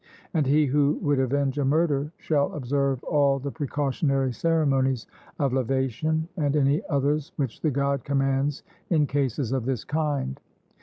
And he who would avenge a murder shall observe all the precautionary ceremonies of lavation, and any others which the God commands in cases of this kind.